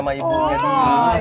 kalau begitu saya pun harus dikagali